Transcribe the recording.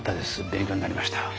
勉強になりました。